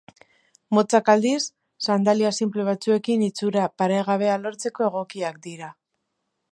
Motzak aldiz, sandalia sinple batzuekin itxura paregabea lortzeko egokiak dira.